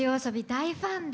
大ファンで。